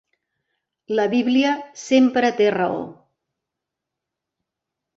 La Bíblia sempre té raó.